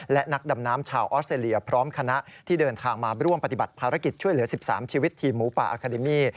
และนักดำน้ำชาวออสเตรเลียพร้อมคณะที่เดินทางมาร่วมปฏิบัติภารกิจช่วยเหลือ๑๓ชีวิตทีมหมูป่าอาคาเดมี่